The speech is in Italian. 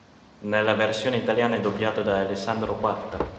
Nella versione italiana è doppiato da Alessandro Quarta.